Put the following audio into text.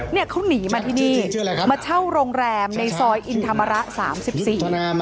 เนี่ยเขาหนีมาที่นี่มาเช่าโรงแรมในซอยอินธรรมระสามสิบสี่